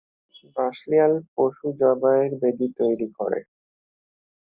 বাসলিয়াল পশু যবাইর বেদীও তৈরী করে।